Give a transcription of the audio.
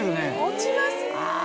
落ちます！